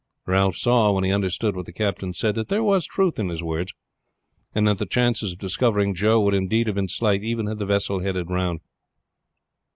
Ralph saw, when he understood what the captain said, that there was truth in his words, and that the chances of discovering Joe would indeed have been slight even had the vessel headed round.